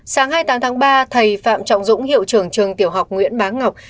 sáng hai mươi tám tháng ba thầy phạm trọng dũng hiệu trưởng trường tiểu học nguyễn bá ngọc